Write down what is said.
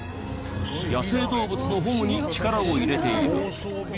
野生動物の保護に力を入れている。